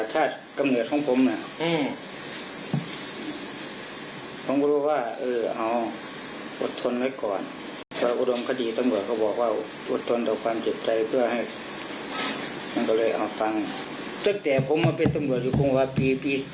หน้าตำรวจบุญหลายปีปี๒๕๓๗